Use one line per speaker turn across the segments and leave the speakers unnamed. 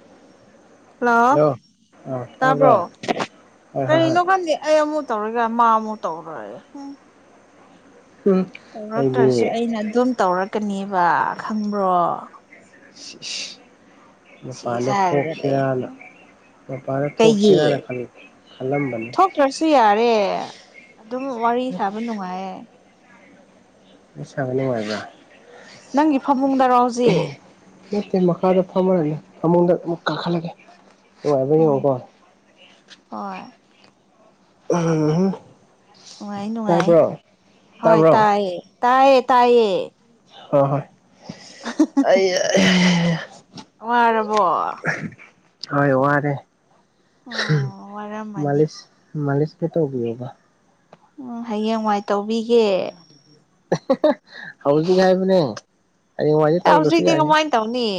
[inaudible] Hello ꯇꯥꯕ꯭ꯔꯣ
ꯍꯣꯏ ꯍꯣꯏ ꯍꯣꯏ
ꯀꯔꯤꯅꯣ ꯈꯪꯗꯦ ꯑꯩ ꯑꯃꯨꯛ ꯇꯧꯔꯒ ꯃꯥ ꯑꯃꯨꯛ ꯇꯧꯔꯛꯑꯦ ꯍꯨꯝ
ꯎꯝ ꯑꯩꯗꯤ
ꯇꯧꯔꯛꯇ꯭ꯔꯁꯨ ꯑꯩꯅ ꯑꯗꯨꯝ ꯇꯧꯔꯛꯀꯅꯦꯕ ꯈꯪꯕ꯭ꯔꯣ
ꯏꯁ ꯏꯁ
ꯁꯤꯁꯦ
ꯃꯄꯥꯟꯗ
ꯍꯥꯏꯔꯒ ꯂꯩ
ꯊꯣꯛꯁꯤꯔꯅ ꯃꯄꯥꯔ ꯊꯣꯛꯁꯤꯔꯅ ꯈꯟ ꯈꯜꯂꯝꯕꯅꯤ
ꯇ꯭ꯔꯁꯨ ꯌꯥꯔꯦ ꯑꯗꯨꯝ ꯋꯥꯔꯤ ꯁꯥꯕ ꯅꯨꯉꯥꯏꯌꯦ
ꯁꯥꯕ ꯅꯨꯉꯥꯏꯕ꯭ꯔꯥ
ꯅꯪꯒꯤ ꯐꯃꯨꯡꯗꯔꯣ ꯍꯧꯖꯤꯛ
ꯅꯠꯇꯦ ꯃꯈꯥꯗ ꯐꯝꯃꯔꯅꯤ ꯐꯃꯨꯡꯗ ꯑꯃꯨꯛ ꯀꯥꯈꯠꯂꯒꯦ ꯅꯨꯉꯥꯏꯕ꯭ꯔ
ꯎꯝ
ꯌꯦꯡꯉꯣꯀꯣ
ꯍꯣꯏ
ꯎꯝ ꯍꯨꯝ
ꯅꯨꯉꯥꯏ ꯅꯨꯉꯥꯏ ꯍꯣꯏ
ꯇꯥꯕ꯭ꯔꯣ
ꯇꯥꯏꯌꯦ ꯇꯥꯏꯌꯦ ꯇꯥꯏꯌꯦ
ꯍꯣ ꯍꯣꯏ ꯑꯩꯌꯥ ꯑꯩꯌꯥ ꯌꯥ ꯌꯥ ꯌꯥ
ꯋꯥꯔꯕꯣ
ꯍꯣꯏ ꯋꯥꯔꯦ
ꯎꯝ ꯋꯥꯔꯝꯃꯅꯤ
ꯃꯥꯂꯤꯁ ꯃꯥꯂꯤꯁꯀ ꯇꯧꯕꯤꯌꯣꯕ
ꯎꯝ ꯍꯌꯦꯡꯋꯥꯏ ꯇꯧꯕꯤꯒꯦ
ꯍꯧꯖꯤꯛ ꯍꯥꯏꯕꯅꯦ ꯍꯌꯦꯡꯋꯥꯏꯗꯤ
ꯇꯥ
ꯇꯧꯗ꯭ꯔꯁꯨ
ꯍꯨꯖꯤꯛꯇꯤ
ꯌꯥꯏꯍꯦ
ꯀꯃꯥꯏ ꯇꯧꯅꯤ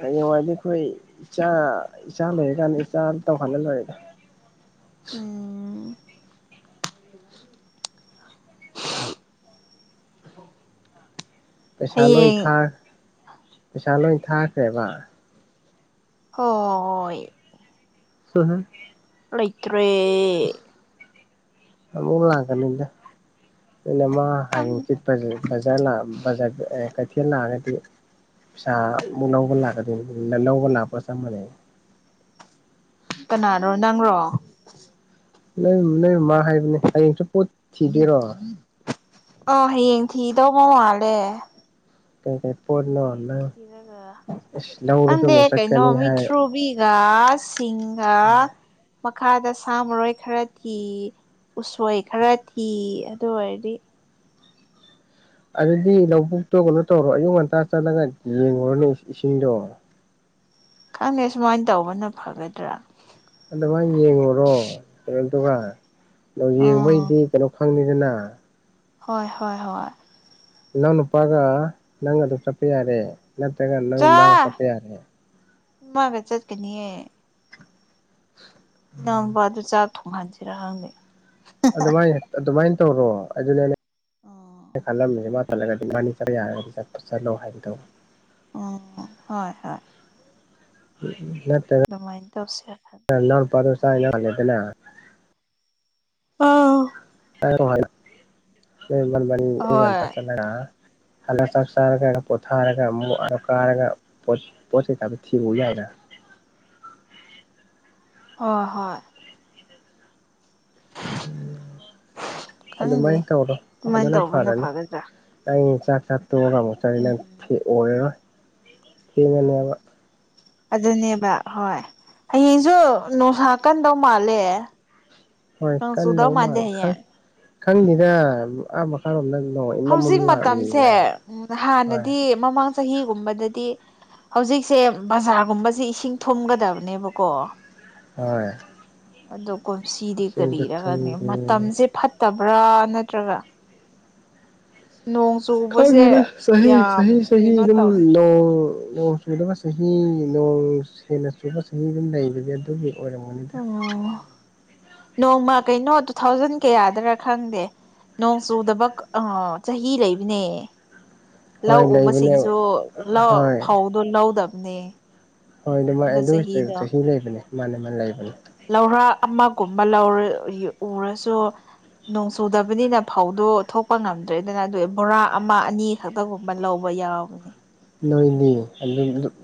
ꯍꯌꯦꯡꯋꯥꯏꯗꯤ ꯑꯈꯣꯏ ꯏꯆꯥ ꯏꯆꯥ ꯂꯩꯔꯀꯥꯟꯗ ꯏꯆꯥꯟ ꯇꯧꯍꯜꯂ ꯂꯣꯏꯔꯦꯗ
ꯎꯝ
ꯄꯩꯁꯥ ꯂꯣꯏ
ꯍꯌꯦꯡ
ꯊꯥ ꯄꯩꯁꯥ ꯂꯣꯏ ꯊꯥꯈ꯭ꯔꯦꯕ
ꯍꯣꯏ
[unintelligible]
ꯂꯩꯇ꯭ꯔꯦ
ꯑꯃꯨꯛ ꯂꯥꯛꯀꯅꯤꯗ ꯅꯣꯏ ꯅꯃꯥ [unintelligible] ꯀꯩꯊꯦꯜ ꯂꯥꯑꯒꯗꯤ ꯄꯤꯁꯥ ꯑꯃꯨꯛ ꯂꯧꯕ ꯂꯥꯛꯀꯗꯣꯏꯅꯤ ꯂꯧꯕ ꯂꯥꯛꯄꯒ ꯆꯞ ꯃꯥꯟꯅꯩ
ꯀꯅꯥꯅꯣ ꯅꯪꯔꯣ
ꯅꯣꯏ ꯅꯣꯏ ꯃꯥ ꯍꯥꯏꯕꯅꯦ ꯍꯌꯦꯡꯁꯨ ꯄꯣꯠ ꯊꯤꯗꯣꯏꯔꯣ
ꯑꯣ ꯍꯌꯦꯡ ꯊꯤꯗꯧꯕ ꯃꯥꯜꯂꯦ
ꯀꯩ ꯀꯩ ꯄꯣꯠꯅꯣ
ꯍꯌꯦꯡ
ꯅꯪ
ꯊꯤꯔꯒ
ꯏꯁ ꯂꯧꯔꯁꯨ
ꯀꯟꯗꯦ
ꯑꯃꯨꯛ
ꯀꯩꯅꯣ
ꯆꯠꯀꯅꯤ ꯍꯥꯏ
ꯃꯤꯊ꯭ꯔꯨꯕꯤꯒ ꯁꯤꯡꯒꯥ ꯃꯈꯥꯗ ꯁꯥ ꯃꯔꯣꯏ ꯈꯔ ꯊꯤ ꯎꯁꯣꯏ ꯈꯔ ꯊꯤ ꯑꯗꯨ ꯑꯣꯏꯔꯗꯤ
ꯑꯗꯨꯗꯤ ꯂꯧꯕꯨꯛꯇꯣ ꯀꯩꯅꯣ ꯇꯧꯔꯣ ꯑꯌꯨꯛ ꯉꯟꯇꯥ ꯆꯠꯂꯒ ꯌꯦꯡꯉꯨꯔꯣꯅꯦ ꯏꯁꯤꯡꯗꯣ
ꯈꯪꯉꯦ ꯁꯨꯃꯥꯏꯟ ꯇꯧꯕꯅ ꯐꯒꯗ꯭ꯔꯥ
ꯑꯗꯨꯃꯥꯏꯟ ꯌꯦꯡꯉꯨꯔꯣ ꯑꯗꯨꯒ
ꯑꯥ
ꯌꯦꯡꯕꯩꯗꯤ ꯀꯩꯅꯣ ꯈꯪꯅꯤꯗꯅ
ꯍꯣꯏ ꯍꯣꯏ ꯍꯣꯏ
ꯏꯅꯥꯎ ꯅꯨꯄꯥꯒ ꯅꯪ ꯑꯗꯨꯝ ꯆꯞꯄ ꯌꯥꯔꯦ ꯅꯠꯇ꯭ꯔꯒ ꯅꯣꯏ ꯃꯥꯒ ꯆꯞꯄ ꯌꯥꯔꯦ
ꯃꯥꯒ ꯆꯠꯀꯅꯤꯌꯦ ꯏꯅꯥꯎꯕꯥꯗꯨ ꯆꯥꯛ ꯊꯣꯡꯍꯟꯁꯤꯔꯥ ꯈꯪꯗꯦ
ꯑꯗꯨꯃꯥꯏ ꯑꯗꯨꯃꯥꯏꯟ ꯇꯧꯔꯣ ꯑꯗꯨꯅꯦ
ꯑꯥ
ꯑꯩꯅ [inaudible] ꯈꯜꯂꯝꯃꯤꯖꯦ ꯃꯥ ꯈꯜꯂꯒꯗꯤ [unintelligible] ꯌꯥꯔꯒꯗꯤ ꯆꯠ ꯆꯠꯂꯣ ꯍꯥꯏꯒꯦ ꯇꯧꯕ
ꯑꯣ ꯍꯣꯏ ꯍꯣꯏ
[unintelligible] ꯅꯠꯇꯦ
ꯗꯨꯃꯥꯏꯟ ꯇꯧꯁꯤꯔꯥ ꯈꯜ
ꯅꯅꯥꯎꯅꯨꯄꯥꯗꯨ [unintelligible]
ꯑꯥꯎ
[unintelligible] ꯅꯣꯏ ꯏꯃꯥ ꯅꯕꯥꯅꯤ ꯑꯌꯨꯛ
ꯍꯣꯏ
ꯉꯟꯇꯥ ꯆꯠꯂꯒ ꯍꯜꯂ ꯆꯥꯛ ꯆꯥꯔꯒ ꯄꯣꯊꯥꯔꯒ ꯑꯃꯨꯛ [unintelligible] ꯀꯥꯔꯒ ꯄꯣꯠ ꯄꯣꯠ ꯀꯩꯀꯥꯗꯨ ꯊꯤꯔꯨ ꯌꯥꯏꯅ
ꯍꯣꯏ ꯍꯣꯏ ꯈꯪꯗꯦ
ꯑꯗꯨꯃꯥꯏꯅ ꯇꯧꯔꯣ
ꯑꯗꯨꯃꯥꯏꯅ
ꯑꯗꯨꯅ
ꯇꯧꯕꯅ
ꯐꯔꯅꯤ
ꯐꯒꯗ꯭ꯔꯥ
ꯑꯩ ꯆꯥꯛ ꯆꯥꯛ ꯇꯣꯛꯑꯒ ꯑꯃꯨꯛ ꯆꯠꯂꯗꯤ ꯅꯪ
ꯎꯝ
ꯑꯣꯏꯔꯔꯣꯏ ꯊꯦꯡꯉꯅꯦꯕ
ꯑꯗꯨꯅꯦꯕ ꯍꯣꯏ ꯍꯌꯦꯡꯖꯨ ꯅꯨꯡꯁꯥ ꯀꯟꯗꯧ ꯃꯥꯜꯂꯦ
ꯍꯣꯏ
ꯅꯣꯡ ꯆꯨꯗꯧ
ꯀꯟꯗꯧ
ꯃꯥꯟꯗꯦ
ꯃꯥꯜꯂꯦ ꯈꯪ
ꯍꯌꯦꯡ
ꯈꯪꯗꯦꯗ ꯑꯥ ꯃꯈꯥꯔꯣꯝꯗ ꯅꯣꯡ ꯏꯃꯝ ꯃꯝ
ꯍꯧꯖꯤꯛ
ꯂꯥꯛꯏ
ꯃꯇꯝꯁꯦ
ꯂꯥꯏꯍꯧ
ꯎꯝ
ꯍꯣꯏ
ꯍꯥꯟꯅꯗꯤ ꯃꯃꯥꯡ ꯆꯍꯤꯒꯨꯝꯕꯗꯗꯤ ꯍꯧꯖꯤꯛꯁꯦ ꯕꯖꯥꯔꯒꯨꯝꯕꯖꯦ ꯏꯁꯤꯡ ꯊꯨꯝꯒꯗꯕꯅꯦꯕꯀꯣ
ꯍꯣꯏ
ꯑꯗꯣ ꯀꯨꯝꯁꯤꯗꯤ
ꯏꯁꯤꯡꯁꯨ
ꯀꯔꯤꯔ ꯈꯪꯗꯦ
ꯊꯨꯝꯗꯦ
ꯃꯇꯝꯖꯦ ꯐꯠꯇꯕ꯭ꯔꯥ ꯅꯠꯇ꯭ꯔꯒ ꯅꯣꯡ ꯆꯨꯕꯁꯦ
ꯈꯪꯗꯦꯗ ꯆꯍꯤ
ꯌꯥꯝ
ꯆꯍꯤ ꯆꯍꯤ
ꯀꯩꯅꯣ
ꯑꯗꯨꯝ
ꯇꯧꯔꯦ
ꯅꯣꯡ ꯅꯣꯡ ꯆꯨꯗꯕ ꯆꯍꯤ ꯅꯣꯡ ꯍꯦꯟꯅ ꯆꯨꯕ ꯆꯍꯤ ꯑꯗꯨꯝ ꯂꯩꯕꯅꯦ ꯑꯗꯨꯒꯤ ꯑꯣꯏꯔꯝꯒꯅꯤꯗ
ꯑꯣ ꯅꯣꯡꯃ ꯀꯩꯅꯣ ꯇꯨꯊꯥꯎꯖꯟ ꯀꯌꯥꯗꯔꯥ ꯈꯪꯗꯦ ꯅꯣꯡ ꯆꯨꯗꯕ ꯑ ꯆꯍꯤ ꯂꯩꯕꯅꯦ
ꯍꯣꯏ
ꯂꯧ
ꯂꯩꯕꯅꯦꯕ
ꯎꯕꯁꯤꯡꯁꯨ ꯂꯧ
ꯍꯣꯏ
ꯐꯧꯗꯣ ꯂꯧꯗꯕꯅꯦ
ꯍꯣꯏ ꯑꯗꯨꯃꯥꯏ ꯑꯗꯨ ꯆꯍꯤ ꯆꯍꯤ ꯂꯩꯕꯅꯦ ꯃꯥꯅꯦ ꯃꯥꯅꯦ ꯂꯩꯕꯅꯦ
ꯂꯧꯔꯥꯛ ꯑꯃꯒꯨꯝꯕ ꯂꯧꯔ ꯎꯔꯁꯨ ꯅꯣꯡ ꯆꯨꯗꯕꯅꯤꯅ ꯐꯧꯗꯣ ꯊꯣꯛꯄ ꯉꯝꯗ꯭ꯔꯦꯗꯅ ꯑꯗꯨ ꯕꯣꯔꯥ ꯑꯃ ꯑꯅꯤ ꯈꯛꯇꯒꯨꯝꯕ ꯂꯧꯕ ꯌꯥꯎꯕꯅꯤ
ꯅꯣꯏꯗꯤ ꯑꯗꯨ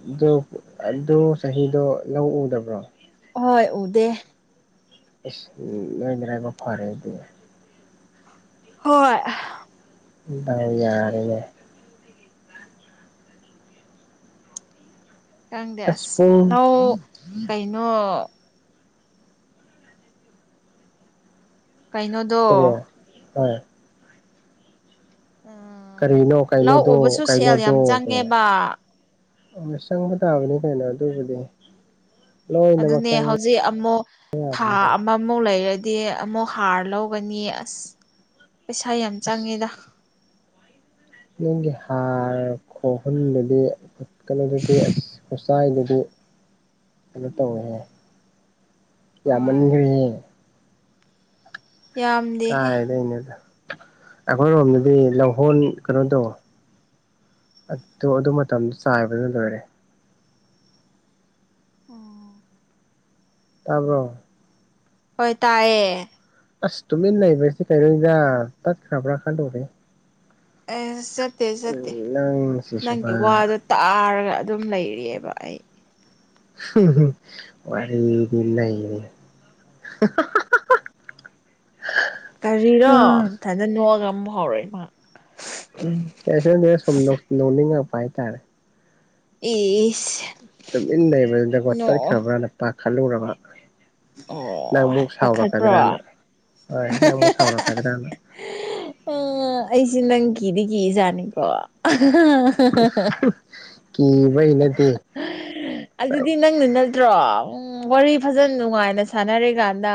ꯑꯗꯨ ꯑꯗꯨ ꯆꯍꯤꯗꯣ ꯂꯧ ꯎꯗꯕ꯭ꯔꯣ
ꯍꯣꯏ ꯎꯗꯦ
ꯏꯁ ꯅꯣꯏ ꯅꯔꯥꯏꯕꯛ ꯐꯔꯦ ꯑꯗꯨꯗꯤ
ꯍꯣꯏ ꯑꯗꯨꯅꯦ
ꯌꯥꯔꯦꯅꯦ
ꯈꯪꯗꯦ ꯑꯁ ꯂꯧ ꯀꯩꯅꯣ ꯀꯩꯅꯣ
ꯀꯔꯤ ꯍꯣꯏ
ꯎꯝ
ꯀꯔꯤꯅꯣ
ꯂꯧ
ꯀꯩꯅꯣꯗꯣ
ꯎꯕꯁꯨ ꯁꯦꯜ ꯌꯥꯝ
ꯀꯩꯅꯣꯗꯣꯗꯤ
ꯆꯪꯉꯦꯕ
ꯃꯤꯆꯪꯕ ꯇꯥꯕꯅꯤ ꯀꯩꯅꯣ ꯑꯗꯨꯕꯨꯗꯤ ꯂꯣꯏꯅꯃꯛ
ꯑꯗꯨꯅꯦ
ꯆꯪꯕ
ꯍꯧꯖꯤꯛ ꯑꯃꯨꯛ ꯊꯥ ꯃꯃꯨ ꯂꯩꯔꯗꯤ ꯑꯃꯨꯛ ꯍꯥꯔ ꯂꯧꯒꯅꯤ ꯑꯁ ꯄꯩꯁꯥ ꯌꯥꯝ ꯆꯪꯉꯤꯗ
ꯌꯨꯝꯒꯤ ꯍꯥꯔ ꯈꯣꯛꯍꯟꯕꯗꯤ ꯀꯩꯅꯣꯗꯨꯗꯤ ꯑꯁ ꯁꯋꯥꯥꯏꯗꯗꯤ ꯀꯩꯅꯣ ꯇꯧꯋꯦꯍꯦ
ꯍꯣꯏ
ꯌꯥꯝꯃꯟꯒ꯭ꯔꯦꯍꯦ
ꯌꯥꯝꯗꯦ
ꯀꯥꯏꯗꯩꯅꯣꯗ ꯑꯩꯈꯣꯏꯔꯣꯝꯗꯗꯤ ꯂꯧꯍꯣꯟ ꯀꯩꯅꯣꯗꫭ ꯑꯗꯨ ꯃꯇꯝꯗ ꯆꯥꯏꯕꯗꯨ ꯂꯣꯏꯔꯦ
ꯑꯣ
ꯇꯥꯕ꯭ꯔꯣ
ꯍꯣꯏ ꯇꯥꯏꯌꯦ
ꯑꯁ ꯇꯨꯃꯤꯟ ꯂꯩꯕꯁꯤꯗ ꯀꯔꯤꯔ ꯇꯠꯈ꯭ꯔꯕ꯭ꯔꯥ ꯈꯜꯂꯨꯔꯦ
ꯑꯦꯁ ꯆꯠꯇꯦ ꯆꯠꯇꯦ ꯅꯪꯒꯤ
ꯅꯪꯁꯤꯁꯨꯕ
ꯋꯥꯗ ꯇꯥꯔꯒ ꯑꯗꯨꯝ ꯂꯩꯔꯦꯕ ꯑꯩ
ꯋꯥꯔꯤꯗꯤ ꯅꯩꯔꯦ
ꯀꯔꯤꯔꯣ
ꯎꯝ
ꯃꯊꯟꯗ ꯅꯣꯛꯑꯒ ꯑꯃꯨꯛ ꯍꯧꯎꯔꯛꯑꯦ ꯃꯥ
ꯎꯝ ꯀꯁꯅꯦꯅ ꯁꯨꯝ ꯅꯣꯛꯅꯤꯡꯉꯛꯄ ꯍꯥꯏꯇꯥꯔꯦ
ꯏꯁ
ꯇꯨꯃꯤꯟ ꯂꯩꯕꯗꯨꯗ
ꯅꯣꯛꯑꯣ
ꯇꯠꯈ꯭ꯔꯕ꯭ꯔꯥ ꯅ ꯄꯥꯈꯠꯂꯨꯔꯕ ꯅꯪ
ꯑꯣ
ꯑꯃꯨꯛ
ꯄꯥꯈꯠꯄ꯭ꯔꯣ
ꯁꯥꯎꯔꯛꯀꯗ꯭ꯔꯅ ꯍꯣꯏ ꯅꯪ ꯑꯃꯨꯛ ꯁꯥꯎꯔꯛꯀꯗ꯭ꯔꯅ
ꯑꯩꯁꯦ ꯅꯪ ꯀꯤꯗꯤ ꯀꯤꯖꯥꯠꯅꯤꯀꯣ [unintelligible]
[inaudible] ꯀꯤꯕꯩ ꯅꯠꯇꯦ
[unintelligible] ꯑꯗꯨꯗꯤ ꯅꯪꯅ ꯅꯠꯇ꯭ꯔꯣ ꯋꯥꯔꯤ ꯐꯖꯅ ꯅꯨꯡꯉꯥꯏꯅ ꯁꯥꯟꯅꯔꯤꯀꯥꯟꯗ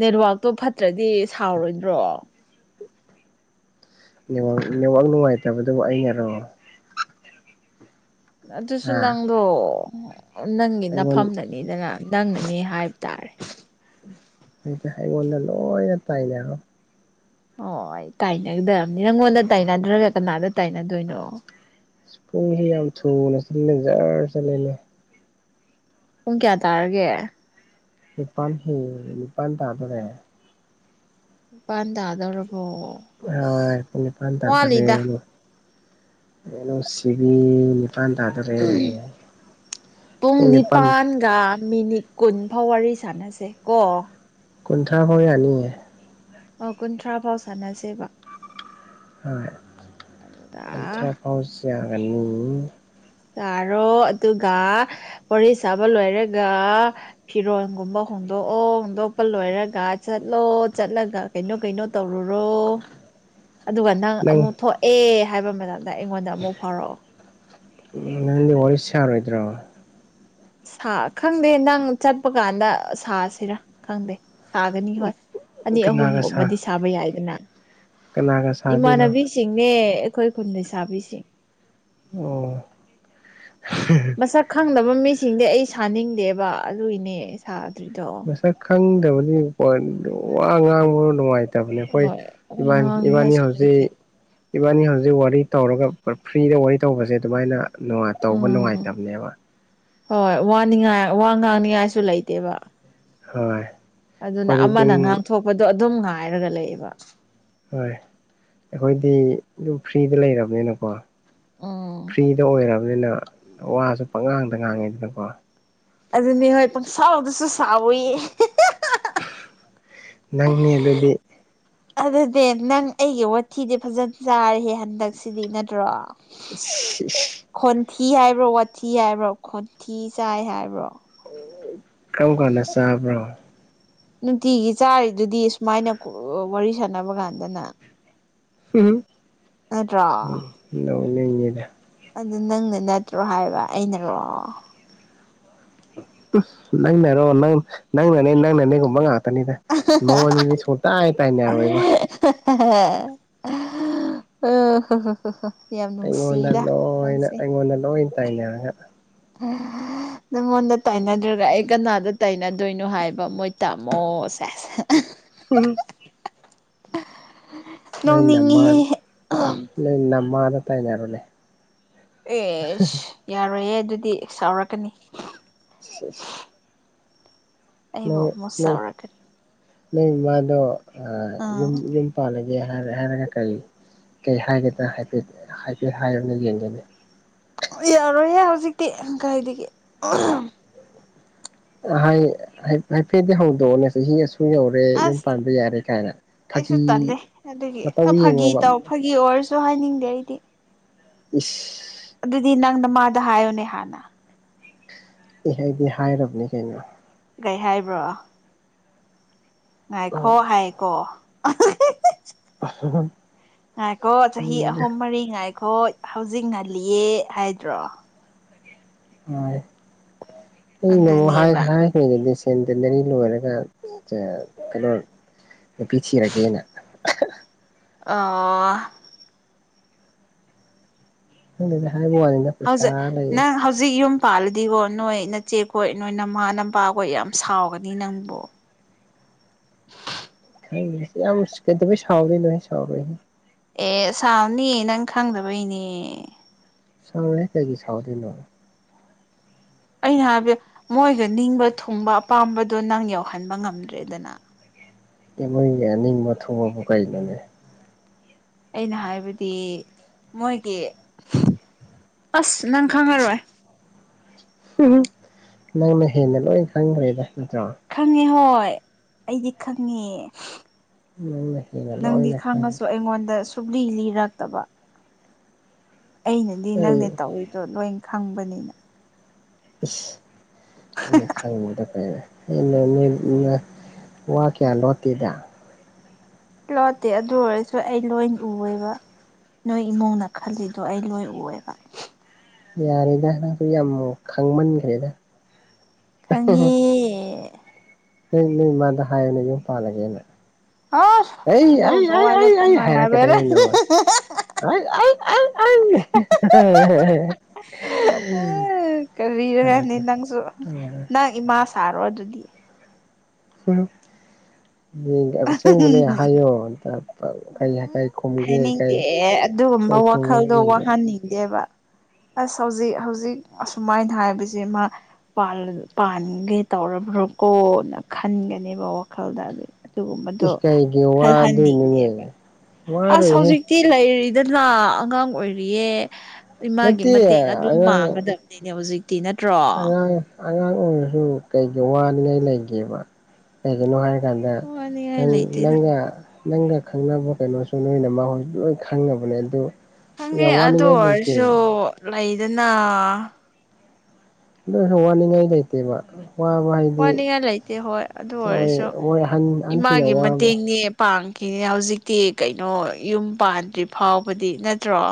ꯅꯦꯠꯋꯥꯛꯇꯣ ꯐꯠꯇ꯭ꯔꯗꯤ ꯁꯥꯎꯔꯣꯏꯗ꯭ꯔꯣ
ꯅꯦꯋꯥꯛ ꯅꯨꯡꯉꯥꯏꯇꯕꯗꯨꯕꯨ ꯑꯩꯅꯔꯣ
ꯑꯗꯨꯁꯨ
ꯍꯥ
ꯅꯪꯗꯣ ꯅꯪꯒꯤ
ꯑꯩꯉꯣꯟ
ꯅꯐꯝꯗ ꯃꯤꯗꯅ ꯅꯪꯅꯅꯤ ꯍꯥꯏꯕ ꯇꯥꯔꯦ
ꯑꯩꯉꯣꯟꯗꯅ ꯂꯣꯏꯅ ꯇꯥꯏꯅꯔꯣ
ꯑꯣ ꯇꯥꯏꯅꯒꯗꯕꯅꯤ ꯅꯪꯉꯣꯟꯗ ꯇꯥꯏꯅꯗ꯭ꯔꯒ ꯀꯅꯥꯗ ꯇꯥꯏꯅꯗꯣꯏꯅꯣ
ꯄꯨꯡꯁꯤ ꯌꯥꯝ ꯊꯨꯅ ꯆꯠꯅ ꯖꯔ ꯆꯠꯂꯦꯅꯦ
ꯄꯨꯡ ꯀꯌꯥ ꯇꯥꯔꯒꯦ
ꯅꯤꯄꯥꯟ ꯍꯦꯜꯂꯦ ꯅꯤꯄꯥꯟ ꯇꯥꯗꯣꯔꯦ
ꯅꯤꯄꯥꯟ ꯇꯥꯗꯧꯔꯕꯣ ꯑꯁ
ꯄꯨꯡ ꯅꯤꯄꯥꯥꯟ ꯇꯥꯗꯧꯔꯦ
ꯋꯥꯠꯂꯤꯗ
ꯍꯣ ꯅꯨꯡꯁꯤꯕꯤ ꯅꯤꯄꯥꯟ ꯇꯥꯗꯣꯔꯦ ꯄꯨꯡ ꯅꯤꯄꯥꯟ
ꯗꯥ ꯃꯤꯅꯤꯠ ꯀꯨꯟꯐꯥꯎ ꯋꯥꯔꯤ ꯁꯥꯟꯅꯁꯦ ꯀꯣ
ꯀꯨꯟꯊ꯭ꯔꯥ ꯐꯥꯎ ꯌꯥꯅꯤꯌꯦ
ꯑꯣ ꯀꯨꯟꯊ꯭ꯔꯥ ꯐꯥꯎ ꯁꯥꯟꯅꯁꯦꯕ ꯑꯗꯨꯒ
ꯀꯨꯟꯊ꯭ꯔꯥ ꯐꯥꯎ ꯁꯥꯒꯅꯤ
ꯇꯥꯔꯣ ꯑꯗꯨꯒ ꯋꯥꯔꯤ ꯁꯥꯕ ꯂꯣꯏꯔꯒ ꯐꯤꯔꯣꯜꯒꯨꯝꯕ ꯍꯣꯡꯗꯣꯛꯑꯣ ꯍꯣꯡꯗꯣꯛꯄ ꯂꯣꯏꯔꯒ ꯆꯠꯂꯣ ꯆꯠꯂꯒ ꯀꯩꯅꯣ ꯀꯩꯅꯣ ꯇꯧꯔꯨꯔꯣ ꯑꯗꯨꯒ ꯅꯪ ꯑꯃꯨꯛ ꯊꯣꯛꯑꯦ ꯍꯥꯏꯕ ꯃꯇꯝꯗ ꯑꯩꯉꯣꯟꯗ ꯑꯃꯨꯛ ꯐꯥꯎꯔꯛꯑꯣ
ꯎꯝ ꯅꯪꯗꯤ ꯋꯥꯔꯤ ꯁꯥꯔꯣꯏꯗ꯭ꯔꯣ
ꯁꯥ ꯈꯪꯗꯦ ꯅꯪ ꯆꯠꯄ ꯀꯥꯟꯗ ꯁꯥꯁꯤꯔꯥ ꯈꯪꯗꯦ ꯁꯥꯒꯅꯤ ꯍꯣꯏ ꯑꯅꯤ
ꯀꯅꯥꯒ ꯁꯥ
ꯑꯍꯨꯝꯒꯨꯝꯕꯗꯤ ꯁꯥꯕ ꯌꯥꯏꯗꯅ
ꯀꯅꯥꯒ ꯁꯥꯗꯣꯏꯅꯣ
ꯏꯃꯥꯟꯅꯕꯤ ꯁꯤꯡꯅꯦ ꯑꯩꯈꯣꯏ ꯈꯨꯟ ꯂꯩꯁꯥꯕꯤꯁꯤꯡ
ꯑꯣ [unintelligible]
ꯃꯁꯛ ꯈꯪꯗꯕ ꯃꯤꯁꯤꯡꯗꯤ ꯑꯩ ꯁꯥꯅꯤꯡꯗꯦꯕ ꯑꯗꯨꯏꯒꯤꯅꯦ ꯁꯥꯗꯔ꯭ꯤꯗꯣ
ꯁꯛ ꯈꯪꯗꯕꯗꯤ ꯐꯣꯟꯗꯣ ꯋꯥ ꯉꯥꯡꯕ ꯅꯨꯡꯉꯥꯏ ꯇꯥꯕꯅꯤ ꯑꯈꯣꯏ
ꯍꯣꯏ
ꯏꯕꯥꯟ ꯏꯕꯥꯅꯤ
ꯉꯥꯡꯅꯤꯉꯥꯏꯁꯨ ꯂꯩꯇꯦ
ꯍꯧꯖꯤꯛ ꯏꯕꯥꯅꯤ ꯍꯧꯖꯤꯛ ꯋꯥꯔꯤ ꯇꯧꯔꯒ ꯐ꯭ꯔꯤꯗ ꯋꯥꯔꯤ ꯇꯧꯕꯁꯦ ꯑꯗꯨꯃꯥꯏꯅ ꯇꯧꯕ
ꯎꯝ
ꯅꯨꯡꯉꯥꯏꯇꯕꯅꯦꯕ
ꯍꯣꯏ ꯋꯥꯅꯤꯉꯥꯏ ꯋꯥ ꯉꯥꯡꯅꯤꯉꯥꯏꯁꯨ ꯂꯩꯇꯦꯕ
ꯍꯣꯏ
ꯑꯗꯨꯅ
ꯑꯩꯈꯣꯏꯗꯤ
ꯑꯃꯅ
ꯑꯗꯨꯝ
ꯉꯥꯡꯊꯣꯛꯄꯗꯣ ꯑꯗꯨꯝ ꯉꯥꯏꯔꯒ ꯂꯩꯌꯦꯕ
ꯍꯣꯏ ꯑꯩꯈꯣꯏꯗꯤ ꯑꯗꯨꯝ ꯐ꯭ꯔꯤꯗ ꯂꯩꯔꯕꯅꯤꯅꯀꯣ
ꯎꯝ
ꯐ꯭ꯔꯤꯗ ꯑꯣꯏꯔꯕꯅꯤꯅ ꯋꯥꯁꯨ ꯄꯪꯉꯥꯡꯗ ꯉꯥꯡꯉꯤꯗꯅꯀꯣ
ꯑꯗꯨꯅꯤ ꯍꯣꯏ ꯄꯪꯁꯥꯎꯗꯁꯨ ꯁꯥꯎꯋꯤ
ꯅꯪꯅꯦ ꯑꯗꯨꯗꯤ
ꯑꯗꯨꯗꯤ ꯅꯪ ꯑꯩꯒꯤ ꯋꯥꯊꯤꯗꯤ ꯐꯖꯅ ꯆꯥꯔꯦꯍꯦ ꯍꯟꯗꯛꯁꯤꯗꯤ ꯅꯠꯇ꯭ꯔꯣ
[unintelligible]
ꯈꯣꯟꯊꯤ ꯍꯥꯏꯕ꯭ꯔꯣ ꯋꯥꯊꯤ ꯍꯥꯏꯕ꯭ꯔꯣ ꯈꯣꯟꯊꯤ ꯆꯥꯏ ꯍꯥꯏꯕ꯭ꯔꯣ
ꯀꯔꯝ ꯀꯥꯟꯗ ꯆꯥꯕ꯭ꯔꯣ
ꯅꯨꯡꯇꯤꯒꯤ ꯆꯥꯔꯤꯗꯨꯗꯤ ꯁꯨꯃꯥꯏꯅ ꯋꯥꯔꯤ ꯁꯥꯟꯅꯕ ꯀꯥꯟꯗꯅ ꯅꯠꯇ꯭ꯔꯣ
ꯑꯩ ꯅꯣꯛꯅꯤꯡꯉꯤꯗ
ꯑꯗꯨ ꯅꯪꯅ ꯅꯠꯇ꯭ꯔꯣ ꯍꯥꯏꯕ ꯑꯩꯅꯔꯣ
ꯅꯪꯅꯔꯣ ꯅꯪ ꯅꯪꯅꯅꯦ ꯅꯪꯅꯅꯦꯒꯨꯝꯕ ꯉꯥꯛꯇꯅꯤꯗ ꯃꯉꯣꯟꯗꯗꯤ ꯁꯨꯡꯇꯥꯏ ꯇꯥꯏꯅꯔꯣꯏꯕ
[unintelligible] ꯌꯥꯝ
ꯑꯩꯉꯣꯟꯗꯥ
ꯅꯨꯡꯁꯤꯗ
ꯂꯣꯏꯅꯥ
ꯅꯪꯁꯦ
ꯑꯩꯉꯣꯟꯗꯥ ꯂꯣꯏ ꯇꯥꯏꯅꯔꯒ
ꯅꯪꯉꯣꯟꯗꯥ ꯇꯥꯏꯅꯗ꯭ꯔꯒ ꯑꯩ ꯀꯅꯗ ꯇꯥꯏꯅꯗꯣꯏꯅꯣ ꯍꯥꯏꯕ ꯃꯣꯏ ꯇꯥꯝꯃꯣ ꯁꯦꯁ
[unintelligible]
[unintelligible]
ꯅꯣꯏ ꯅꯃꯥ
ꯅꯣꯡꯅꯤꯡꯉꯤꯍꯦ
ꯅꯪ ꯅꯃꯥꯗ ꯇꯥꯏꯅꯔꯣꯅꯦ
ꯑꯦꯁ ꯌꯥꯔꯣꯏꯌꯦ ꯑꯗꯨꯗꯤ ꯁꯥꯎꯔꯛꯀꯅꯤ
[inaudible]
ꯑꯩꯕꯨ
ꯅꯪ
ꯑꯃꯨꯛ
ꯅ
ꯁꯥꯎꯔꯛꯀꯅꯤ
ꯅꯣꯏ ꯏꯃꯥꯗꯣ ꯑꯥ ꯌꯨꯝ
ꯑꯥ
ꯌꯨꯝ ꯄꯥꯜꯂꯒꯦ ꯍꯥꯏꯔ ꯍꯥꯏꯔꯒ ꯀꯔꯤ ꯀꯔꯤ ꯍꯥꯏꯒꯦꯗ꯭ꯔꯥ ꯍꯥꯏꯐꯦꯠ ꯍꯥꯏꯐꯦꯠ ꯍꯥꯏꯌꯨꯅꯦ ꯌꯦꯡꯒꯦꯅꯦ
ꯑꯣ ꯌꯥꯔꯣꯏꯍꯦ ꯍꯧꯖꯤꯛꯇꯤ ꯀꯥꯏꯗꯒꯤ
ꯑꯥ ꯍꯥꯏ ꯍꯥꯏꯐꯦꯠꯇꯤ ꯍꯧꯗꯣꯛꯑꯣꯅꯦ ꯆꯥꯍꯤ ꯑꯁꯨꯛ ꯌꯧꯔꯦ ꯔꯦ ꯌꯨꯝ
ꯑꯁ
ꯄꯥꯟꯕ ꯌꯥꯔꯦ ꯀꯥꯏꯅ
ꯑꯩꯁꯨ
ꯐꯥꯒꯤ
ꯇꯜꯂꯦ ꯑꯗꯨꯒꯤ
ꯃꯇꯧ
ꯐꯥꯒꯤ
ꯌꯦꯡꯉꯣꯕ
ꯇꯧ ꯐꯥꯒꯤ ꯑꯣꯏꯔꯁꯨ ꯍꯥꯏꯅꯤꯡꯗꯦ ꯑꯩꯗꯤ
ꯏꯁ
ꯑꯗꯨꯗꯤ ꯅꯪ ꯅꯥꯃꯗ ꯍꯥꯏꯌꯣꯅꯦ ꯍꯥꯟꯅ
ꯏ ꯑꯩꯗꯤ ꯍꯥꯏꯔꯕꯅꯤ ꯀꯩꯅꯣ
ꯀꯩ ꯍꯥꯏꯕ꯭ꯔꯣ ꯉꯥꯏꯈꯣ
ꯇꯜꯂꯤꯗ
ꯍꯥꯏꯀꯣ
[unintelligible]
ꯉꯥꯏꯈꯣ ꯆꯍꯤ
ꯑꯩꯅ
ꯑꯍꯨꯝ ꯃꯔꯤ ꯉꯥꯏꯈꯣ ꯍꯧꯖꯤꯛ ꯉꯜꯂꯤꯌꯦ ꯍꯥꯏꯗ꯭ꯔꯣ
ꯍꯥꯏ [unintelligible] ꯍꯥꯏ
ꯑꯗꯨꯅꯦꯕ
ꯍꯥꯏ ꯑꯈꯣꯏꯅꯗꯤ ꯁꯦꯟꯇꯦꯟꯅꯔꯤ ꯂꯣꯏꯔꯒ ꯀꯩꯅꯣ ꯅꯨꯄꯤ ꯊꯤꯔꯒꯦꯅ
ꯑꯣ
ꯈꯪꯗꯦꯗ ꯍꯥꯏꯕꯋꯅꯤꯗ
ꯍꯧꯖꯤꯛ ꯅꯪ ꯍꯧꯖꯤꯛ ꯌꯨꯝ ꯄꯥꯜꯂꯗꯤꯀꯣ ꯅꯣꯏ ꯅꯆꯦꯈꯣꯏ ꯅꯣꯏ ꯅꯃꯥ ꯅꯄꯥꯈꯣꯏ ꯌꯥꯝ ꯁꯥꯎꯒꯅꯤ ꯅꯪꯕꯨ
ꯌꯥꯝ ꯀꯩꯗꯧꯕꯩ ꯁꯥꯎꯗꯣꯏꯅꯣꯍꯦ ꯁꯥꯎꯔꯣꯏꯍꯦ
ꯑꯦ ꯁꯥꯥꯎꯅꯤ ꯅꯪ ꯈꯪꯗꯕꯩꯅꯦ
ꯁꯥꯎꯔꯣꯏ ꯀꯩꯒꯤ ꯁꯥꯥꯎꯗꯣꯏꯅꯣ
ꯑꯩꯅ ꯍꯥꯏꯕꯗꯤ ꯃꯣꯏꯒ ꯅꯤꯡꯕ ꯊꯨꯡꯕ ꯑꯄꯥꯝꯕꯗꯣ ꯅꯪ ꯌꯧꯍꯟꯕ ꯉꯝꯗ꯭ꯔꯦꯗꯅ
ꯃꯣꯏꯒꯤ ꯑꯅꯤꯡꯕ ꯊꯨꯡꯕꯕꯨ ꯀꯩꯅꯣꯅꯦ
ꯑꯩꯅ ꯍꯥꯏꯕꯗꯤ ꯃꯣꯏꯒꯤ ꯑꯁ ꯅꯪ ꯈꯪꯉꯔꯣꯏ
ꯅꯪꯅ ꯍꯦꯟꯅ ꯂꯣꯏ ꯈꯪꯒ꯭ꯔꯦꯗ ꯅꯠꯇ꯭ꯔꯣ
ꯈꯪꯉꯦ ꯍꯣꯏ ꯑꯩꯗꯤ ꯈꯪꯉꯦ꯫
ꯅꯪꯅ ꯍꯦꯟꯅ
ꯅꯪꯗꯤ
ꯂꯣꯏꯅ
ꯈꯪꯉꯁꯨ
ꯈꯪꯈ꯭ꯔꯦ
ꯑꯩꯉꯣꯟꯗ ꯁꯨꯡꯂꯤ ꯂꯤꯔꯛꯇꯕ꯫ ꯑꯩꯅꯗꯤ
ꯑꯩ
ꯅꯪꯅ ꯇꯧꯔꯤꯗꯣ ꯂꯣꯏ ꯈꯪꯕꯅꯤꯅ꯫
ꯏꯁ ꯑꯩꯅ ꯈꯥꯡꯕꯗꯣ [inaudible] ꯑꯩꯅ ꯅꯣꯏ ꯎꯅ ꯋꯥ ꯀ꯭ꯌꯥ ꯂꯣꯠꯇꯦꯗ
ꯂꯣꯠꯇꯦ ꯑꯗꯨ ꯑꯣꯏꯔꯖꯨ ꯑꯩ ꯂꯣꯏ ꯎꯋꯦꯕ꯫ ꯅꯣꯏ ꯏꯃꯨꯡꯅ ꯈꯜꯂꯤꯗꯣ ꯑꯩ ꯂꯣꯏ ꯎꯋꯦꯕ꯫
ꯌꯥꯔꯦꯗ ꯅꯪꯁꯨ ꯌꯥꯝ ꯈꯥꯡꯃꯟꯈ꯭ꯔꯦꯗ꯫
ꯈꯪꯉꯦ
ꯅꯪ ꯅꯣꯏ ꯏꯃꯥꯗ ꯍꯥꯏꯌꯨꯅꯦ ꯌꯨꯝ ꯄꯥꯜꯂꯒꯦꯅ꯫
ꯑꯁ
ꯑꯩ ꯑꯩ
ꯑꯗꯨꯒꯨꯝꯕ
ꯑꯩ
ꯋꯥꯗꯣ
ꯑꯩ ꯑꯩ
ꯄꯪꯍꯥꯏ ꯍꯥꯏꯕ
ꯍꯥꯏꯔꯛꯀꯅꯤ ꯅꯣꯏ ꯅꯃꯥꯗꯣ꯫ ꯑꯩ ꯑꯩ ꯑꯩ ꯑꯩ [unintelligible]
[unintelligible] ꯀꯔꯤꯔꯅꯦ
ꯍꯥꯏꯔꯛꯀꯦ
ꯅꯪꯁꯨ ꯅꯪ ꯏꯃꯥ ꯁꯥꯔꯣ ꯑꯗꯨꯗꯤ꯫
[unintelligible] ꯑꯕꯁꯦꯡꯕꯅꯦ ꯍꯥꯏꯌꯣ [unintelligible]
ꯎꯝ
ꯀꯩ ꯈꯨꯝꯒꯦ ꯀꯩ
ꯍꯥꯏꯅꯤꯡꯗꯦ ꯑꯗꯨꯒꯨꯝꯕ
ꯀꯩ ꯈꯨꯝꯒꯅꯤ
ꯋꯥꯈꯜꯗꯣ
ꯌꯦꯡꯒꯦ
ꯋꯥꯍꯟꯅꯤꯡꯗꯦꯕ꯫ ꯑꯁ ꯍꯧꯖꯤꯛ ꯍꯧꯖꯤꯛ ꯑꯁꯨꯃꯥꯏꯅ ꯍꯥꯏꯕꯖꯦ ꯃꯥ ꯄꯥꯜ ꯄꯥꯅꯤꯟꯗꯦ ꯇꯧꯔꯕ꯭ꯔꯣꯀꯣ ꯅ ꯈꯟꯒꯅꯦꯕ ꯋꯥꯈꯜꯗ ꯑꯗꯨꯒꯨꯝꯕꯗꯣ
ꯏꯁ ꯀꯩꯒꯤ
ꯑꯩ ꯍꯥꯢꯅꯤꯡꯗꯦꯕ꯫
ꯋꯥꯗꯣꯏꯅꯣꯅꯦ
ꯑꯁ
ꯋꯥꯔꯣꯏꯍꯦ
ꯍꯧꯖꯤꯛ ꯇꯤ ꯂꯩꯔꯤꯗꯅ ꯑꯉꯥꯡ ꯑꯣꯏꯔꯤꯌꯦ ꯏꯃꯥꯒꯤ
ꯅꯠꯇꯦ
ꯃꯇꯦꯡ ꯑꯗꯨꯝ
ꯑꯉꯥꯡ
ꯄꯥꯡꯒꯗ [unintelligible] ꯍꯧꯖꯤꯛ ꯇꯤ ꯅꯠꯇ꯭ꯔꯣ?
ꯑꯉꯥꯡ ꯑꯉꯥꯡ ꯑꯣꯏꯔꯖꯨ ꯀꯩꯒꯤ ꯋꯥꯅꯤꯡꯉꯥꯏ ꯂꯩꯒꯦꯕ? ꯀꯩꯒꯤꯅꯣ ꯍꯥꯏꯔꯀꯥꯟꯗ
ꯋꯥꯅꯤꯡꯉꯥꯏ
ꯅꯪ
ꯂꯩꯇꯦꯗ
ꯅꯪꯒ ꯅꯪꯒ ꯈꯪꯅꯕ ꯀꯩꯅꯣꯁꯨ ꯅꯣꯏ ꯅꯃꯥꯍꯣꯏꯁꯨ ꯂꯣꯏ ꯈꯪꯅꯕꯅꯦ ꯑꯗꯨ
ꯈꯪꯉꯦ
ꯌꯥꯝ
ꯑꯗꯨ
ꯋꯥꯅꯤꯡꯉꯥꯏ ꯂꯩꯇꯦ
ꯑꯣꯏꯔꯁꯨ ꯂꯩꯗꯅ
ꯑꯗꯨꯏꯁꯨ ꯋꯥꯅꯤꯡꯉꯥꯏ ꯂꯩꯇꯦꯕ꯫ ꯋꯥꯃ ꯍꯥꯏ
ꯋꯥꯅꯤꯡꯉꯥꯏ ꯂꯩꯇꯦ ꯍꯣꯏ ꯑꯗꯨ ꯑꯣꯏꯔꯁꯨ
ꯃꯣꯏ ꯑꯍꯟ ꯑꯍꯟꯁꯤꯡꯅ
ꯏꯃꯥꯒꯤ
ꯋꯥꯕ
ꯃꯇꯦꯡꯅꯦ ꯄꯥꯝꯈꯤꯅꯤ ꯍꯧꯖꯤꯛꯇꯤ ꯀꯩꯅꯣ ꯌꯨꯝ ꯄꯥꯟꯗ꯭ꯔꯤ ꯐꯥꯎꯕꯗꯤ ꯅꯠꯇ꯭ꯔꯣ?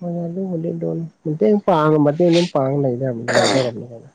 ꯍꯣꯏ ꯑꯗꯨꯕꯨꯗꯤ ꯑꯗꯨꯅꯤ ꯃꯇꯦꯡ ꯄꯥꯡꯕꯗꯤ ꯑꯗꯨꯝ ꯄꯥꯡ ꯂꯩ [unintelligible] ꯂꯩꯗꯧꯔꯕꯅꯤ